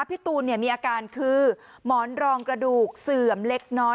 พี่ตูนมีอาการคือหมอนรองกระดูกเสื่อมเล็กน้อย